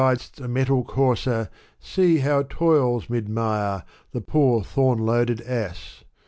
who rid'st a mettled courser, see How toils, mid mire, the poor thorn loaded ass